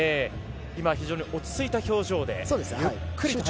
今、非常に落ち着いた表情でゆっくりと。